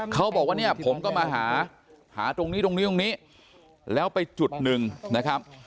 เขาบอกว่าผมก็มาหาตรงนี้แล้วไปจุดหนึ่งนะครับ